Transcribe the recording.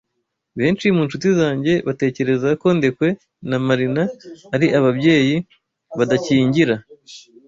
Benshi mu nshuti zanjye batekereza ko Ndekwe na Marina ari ababyeyi badakingira.